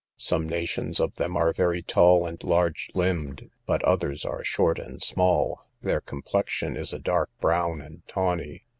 Some nations of them are very tall and large limbed, but others are short and small; their complexion is a dark brown and tawny.